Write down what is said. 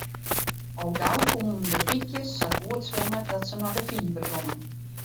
Al gau koenen de pykjes sa goed swimme dat se nei de fiver gongen.